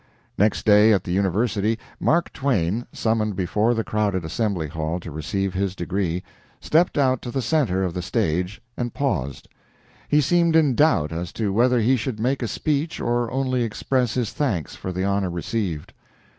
Next day at the university Mark Twain, summoned before the crowded assembly hall to receive his degree, stepped out to the center of the stage and paused. He seemed in doubt as to whether he should make a speech or only express his thanks for the honor received.